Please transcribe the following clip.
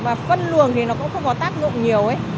và phân luồng thì nó cũng không có tác dụng nhiều